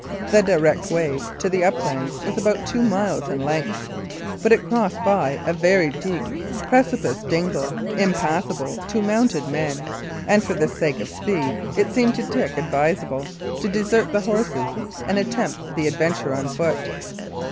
The direct way to the uplands was about two miles in length; but it was crossed by a very deep, precipitous dingle, impassable to mounted men; and for the sake of speed, it seemed to Dick advisable to desert the horses and attempt the adventure on foot.